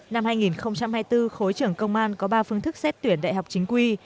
năm hai nghìn hai mươi bốn khối trưởng công an có ba phương thức xét tuyển đại học chính quy